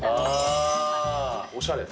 おしゃれ。